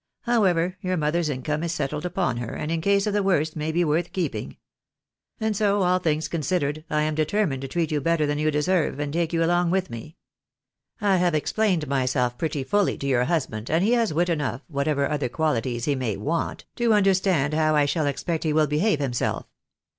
How ever, your mother's income is settled upon her, and in case of the worst, may be worth keeping. And so, all things considered, I am determined to treat you better than you deserve, and take you along with me. I have explained myself pretty fully to your husband, and he has wit enough, whatever other qualities he may want, to understand how I shall expect he will behave himself.